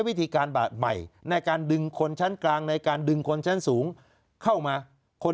พระปาหรือว่าฝังลูกนิมิตร